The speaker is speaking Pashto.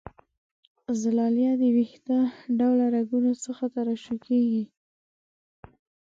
زلالیه د وېښته ډوله رګونو څخه ترشح کیږي.